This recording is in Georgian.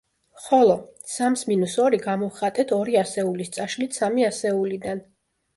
ხოლო, სამს მინუს ორი გამოვხატეთ ორი ასეულის წაშლით სამი ასეულიდან.